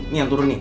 ini yang turun nih